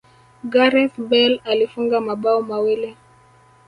gareth bale alifunga mabao mawili